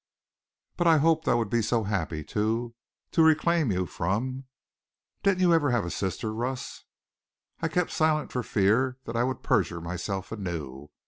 But I hoped I would be so happy to to reclaim you from Didn't you ever have a sister, Russ?" I kept silent for fear that I would perjure myself anew.